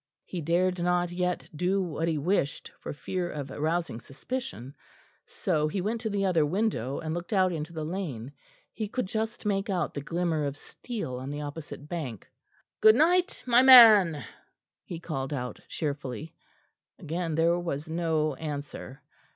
He dared not yet do what he wished, for fear of arousing suspicion, so he went to the other window and looked out into the lane. He could just make out the glimmer of steel on the opposite bank. "Good night, my man," he called out cheerfully. Again there was no answer.